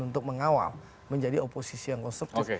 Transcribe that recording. untuk mengawal menjadi oposisi yang konstruktif